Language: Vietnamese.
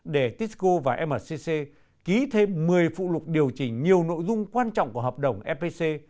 để tisco và mcc ký thêm một mươi phụ lục điều chỉnh nhiều nội dung quan trọng của hợp đồng epc